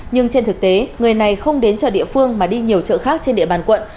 nhưng trên thực tế người này không đến chợ địa phương mà đi nhiều chợ khác trên địa bàn quận